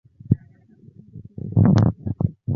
لا أشارك رأيك.